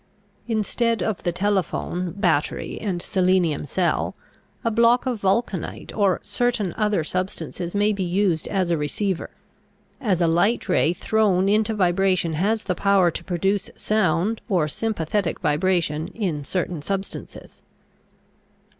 Instead of the telephone, battery and selenium cell, a block of vulcanite or certain other substances may be used as a receiver; as a light ray thrown into vibration has the power to produce sound or sympathetic vibration in certain substances.